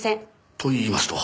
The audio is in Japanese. といいますと。